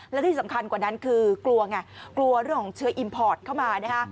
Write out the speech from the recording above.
และที่สำคัญกว่านั้นคือกลัวไงกลัวเรื่องของเชื้ออิมพอร์ตเข้ามานะคะ